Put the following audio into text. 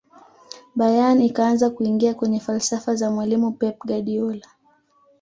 bayern ikaanza kuingia kwenye falsafa za mwalimu pep guardiola